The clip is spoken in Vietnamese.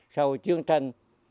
sau chiến tranh